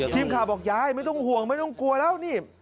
บอกยายไม่ต้องห่วงไม่ต้องกลัวแล้วนี่